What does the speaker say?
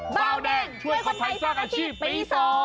เบาแดงช่วยคนไทยสร้างอาชีพปี๒